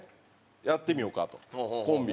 やってみようかとコンビ。